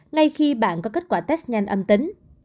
ngay khi bạn có kết quả test nhanh âm tính